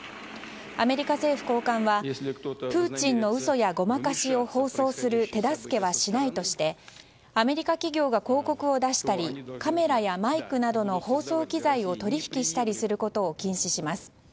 アメリカ政府高官はプーチンの嘘やごまかしを放送する手助けはしないとしてアメリカ企業が広告を出したりカメラやマイクなどの放送機材を取り引きしたりすることを禁止します。